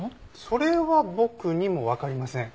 それは僕にもわかりません。